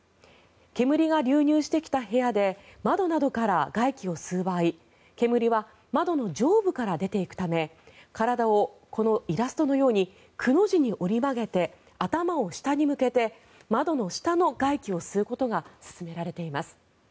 煙が流入してきた部屋で窓などからが息を吸う場合煙は窓の上部から出ていくため体をこのイラストのようにくの字に折り曲げて頭を下に向けて窓の下の外気を吸うことが勧められています。